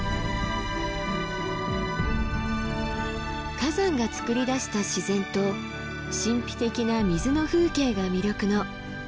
火山がつくり出した自然と神秘的な水の風景が魅力の日光白根山。